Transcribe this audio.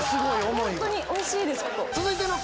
本当においしいです。